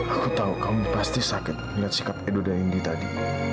aku tahu kamu pasti sakit melihat sikap edo daengdi tadi